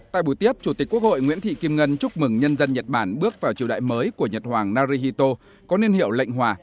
tại buổi tiếp chủ tịch quốc hội nguyễn thị kim ngân chúc mừng nhân dân nhật bản bước vào chiều đại mới của nhật hoàng narihito có niên hiệu lệnh hòa